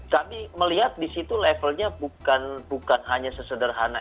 nah kami melihat disitu levelnya bukan hanya sesederhana